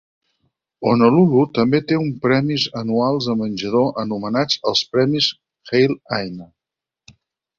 "Honolulu" també té un premis anuals de menjador anomenats els premis Hale Aina.